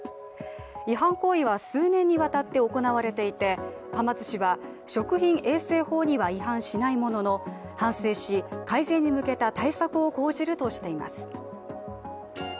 違反行為は数年にわたって行われていてはま寿司は、食品衛生法には違反しないものの反省し、改善に向けた対策を講じるとしています。